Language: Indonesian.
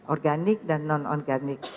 organik dan non organik